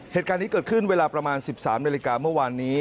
เหตุการณ์นี้เกิดขึ้นเวลาประมาณ๑๓นาฬิกาเมื่อวานนี้